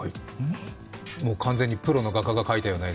完全にプロの画家が描いたような。